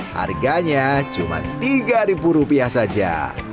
harganya cuma rp tiga saja